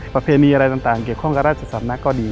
ประเพณีอะไรต่างเกี่ยวข้องกับราชสำนักก็ดี